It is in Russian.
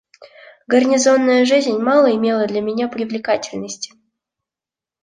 Гарнизонная жизнь мало имела для меня привлекательности.